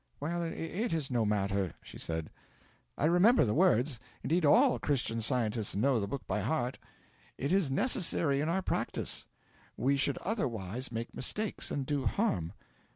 'Well, it is no matter,' she said, 'I remember the words indeed, all Christian Scientists know the book by heart; it is necessary in our practice. We should otherwise make mistakes and do harm.